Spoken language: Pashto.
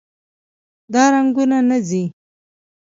دا رنګونه نه ځي.